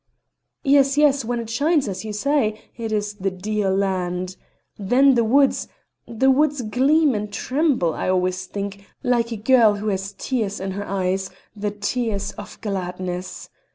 "Yes, yes, when it shines, as you say, it is the dear land! Then the woods the woods gleam and tremble, I always think, like a girl who has tears in her eyes, the tears of gladness.